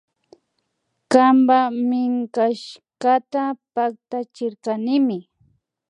Kanpa minkashkata paktachirkanimi